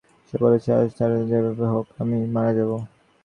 সে বলেছে আজ রাতে যেভাবেই হোক আমি মারা যাবো।